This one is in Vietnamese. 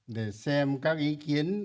để xem các ý kiến